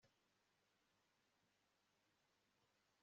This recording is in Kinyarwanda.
Ntabwo rwose nzi neza ikintu na kimwe